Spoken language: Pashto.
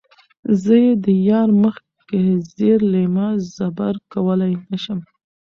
زۀ د يار مخکښې زېر لېمۀ زبَر کؤلے نۀ شم